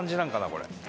これ。